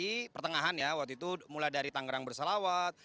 di pertengahan ya waktu itu mulai dari tangerang bersalawat